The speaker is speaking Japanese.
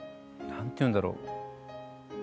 何ていうんだろ。